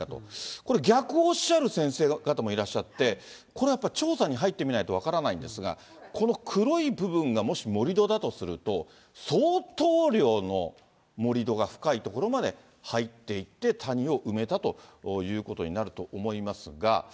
これ、逆をおっしゃる先生方もいらっしゃって、これはやっぱり調査に入ってみないと分からないんですが、この黒い部分がもし盛り土だとすると、相当量の盛り土が深い所まで入っていって、谷を埋めたということになると思いますが。